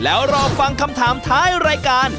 แล้วรอฟังคำถามท้ายรายการ